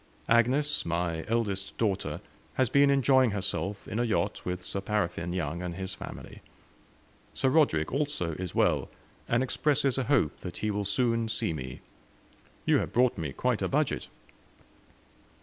Agnes, my eldest daughter, has been enjoying herself in a yacht, with 'Sir Paraffine' Young and his family. Sir Roderick, also, is well, and expresses a hope that he will soon see me. You have brought me quite a budget."